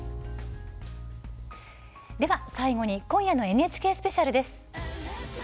最後に今夜のＮＨＫスペシャルです。